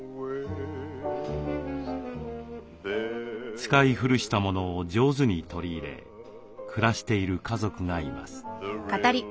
使い古したものを上手に取り入れ暮らしている家族がいます。